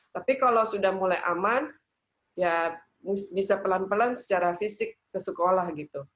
tapi kalau sudah mulai aman ya bisa pelan pelan secara fisik ke sekolah gitu